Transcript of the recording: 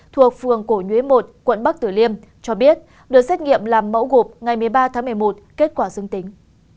thuộc phường cổ nhuế một quận bắc tử liêm cho biết được xét nghiệm làm mẫu gộp ngày một mươi ba tháng một mươi một kết quả dương tính